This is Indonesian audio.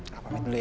kamu pamit dulu ya